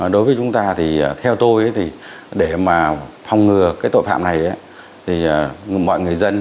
đối với chúng ta thì theo tôi thì để mà phòng ngừa cái tội phạm này thì chúng ta phải tự nhiên tìm kiếm cái tội phạm này